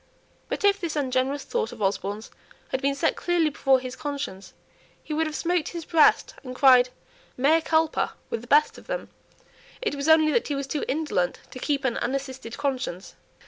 But if this ungenerous thought of Osborne's had been set clearly before his conscience, he would have smote his breast and cried "Mea culpa" with the best of them; it was only that he was too indolent to keep an unassisted conscience.